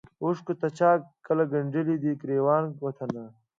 اوښکو د چا کله ګنډلی دی ګرېوان وطنه